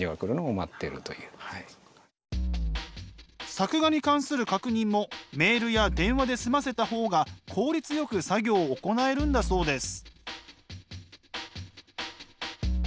作画に関する確認もメールや電話で済ませた方が効率よく作業を行えるんだそうです。